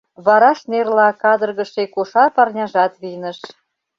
Вараш нерла кадыргыше кошар парняжат вийныш.